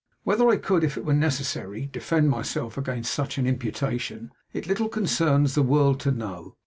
Whether I could, if it were necessary, defend myself against such an imputation, it little concerns the world to know.